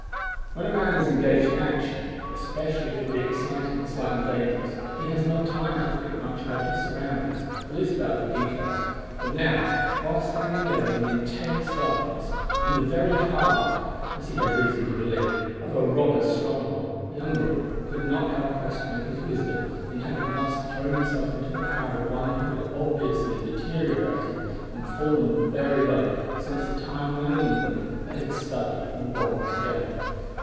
When a man is engaged in action especially if it be exciting and slightly dangerous he has not time to think much about his surroundings, at least about their details, but now, while standing there in the intense darkness, in the very heart as he had reason to believe of a robber's stronghold, young Brooke could not help questioning his wisdom in having thus thrown himself into the power of one who had obviously deteriorated and fallen very low since the time when in England they had studied and romped together.